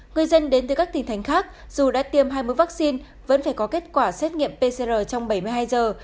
người dân đến từ các tỉnh thành khác dù đã tiêm hai mươi vaccine vẫn phải có kết quả xét nghiệm pcr trong bảy mươi hai giờ